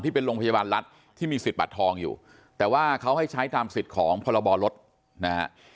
เป็นโรงพยาบาลรัฐที่มีสิทธิ์บัตรทองอยู่แต่ว่าเขาให้ใช้ตามสิทธิ์ของพรบรถนะฮะ